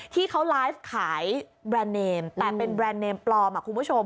ที่เขาไลฟ์ขายแบรนด์เนมแต่เป็นแบรนด์เนมปลอมคุณผู้ชม